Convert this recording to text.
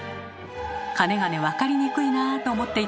かねがね分かりにくいなと思っていた皆さん